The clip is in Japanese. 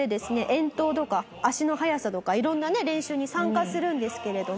遠投とか足の速さとかいろんなね練習に参加するんですけれども。